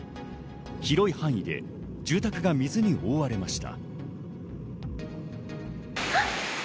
広い範囲で住宅が水に覆われました。